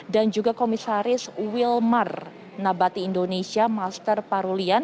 dan juga komisaris wilmar nabati indonesia master parulian